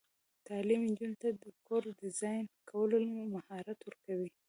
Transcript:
تعلیم نجونو ته د کور ډیزاین کولو مهارت ورکوي.